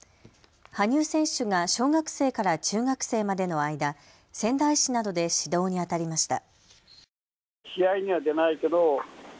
羽生選手が小学生から中学生までの間、仙台市などで指導にあたりました。